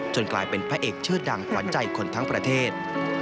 กลายเป็นพระเอกชื่อดังขวัญใจคนทั้งประเทศ